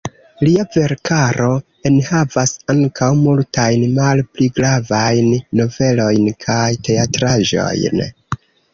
Lia verkaro enhavas ankaŭ multajn malpli gravajn novelojn kaj teatraĵojn.